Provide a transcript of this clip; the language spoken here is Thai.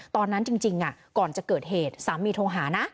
จริงก่อนจะเกิดเหตุสามีโทรหานะ